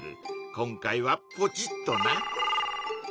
今回はポチッとな！